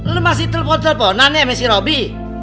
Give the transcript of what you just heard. lo masih telepon teleponan ya sama si robi